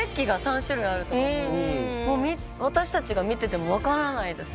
私たちが見てても分からないですもん。